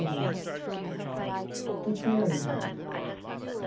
] THE PRAIRIE WOLF.